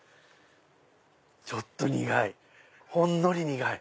ちょっと苦いほんのり苦い。